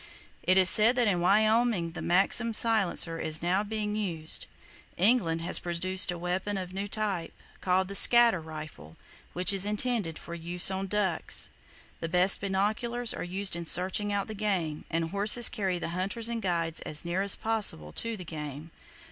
It is said that in Wyoming the Maxim silencer is now being used. England has produced a weapon of a new type, called "the scatter rifle," which is intended for use on ducks. The best binoculars are used in searching out the game, and horses carry the hunters and guides as near as possible to the game.